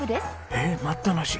えっ待ったなし？